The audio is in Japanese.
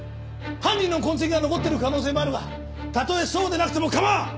犯人の痕跡が残ってる可能性もあるがたとえそうでなくても構わん。